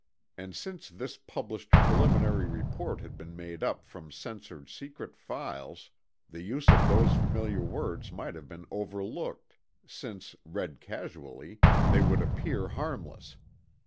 And since this published preliminary report had been made up from censored secret files, the use of those familiar words might have been overlooked, since, read casually, they would appear harmless.